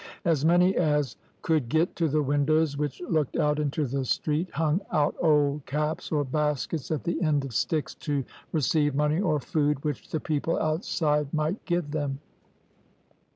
As many as could get to the windows, which looked out into the street, hung out old caps or baskets at the end of sticks, to receive money or food which the people outside might give them.